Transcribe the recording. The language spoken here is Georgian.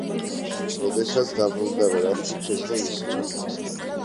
როდესაც დაბრუნდა, ვერაფრით შეძლო მისი ჩამოხსნა.